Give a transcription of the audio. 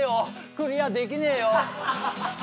クリアできねえよ。